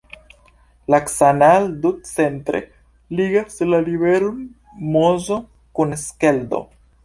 La "Canal du Centre" ligas la riveron Mozo kun Skeldo.